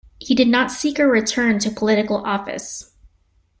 He did not seek a return to political office.